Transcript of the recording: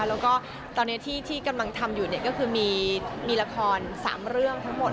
แล้วก็ตอนนี้ที่กำลังทำอยู่ก็คือมีละคร๓เรื่องทั้งหมด